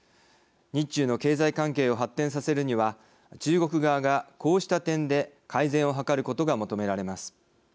日中の経済関係を発展させるには中国側が、こうした点で改善を図ることが求められます。